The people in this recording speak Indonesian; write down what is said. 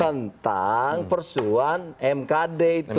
tentang persoalan mkd itu